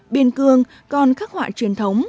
biên cường còn khắc họa truyền thống